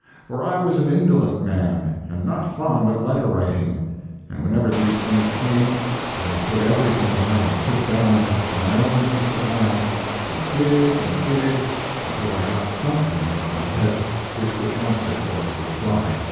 For I was an indolent man, and not fond of letter writing, and whenever these things came I had to put everything by and sit down for my own peace of mind and dig and dig until I got something out of my head which would answer for a reply.